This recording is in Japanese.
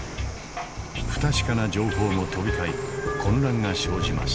不確かな情報も飛び交い混乱が生じます。